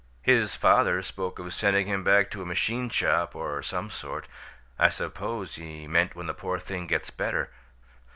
His father spoke of sending him back to a machine shop of some sort; I suppose he meant when the poor thing gets better.